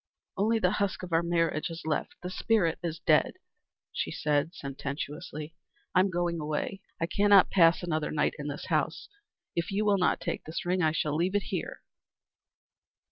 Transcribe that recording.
"Only the husk of our marriage is left. The spirit is dead," she said sententiously. "I am going away. I cannot pass another night in this house. If you will not take this ring, I shall leave it here."